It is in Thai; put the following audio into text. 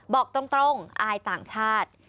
บอกตรงอายต่างชาติ